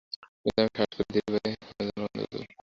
কিন্তু আমি সাহস করে ধীর পায়ে আমার জানালা বন্ধ করতে গেলাম।